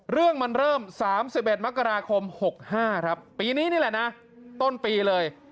เรื่องมันเริ่มสามสิบเอ็ดมกราคมหกห้าครับปีนี้นี่แหละนะต้นปีเลย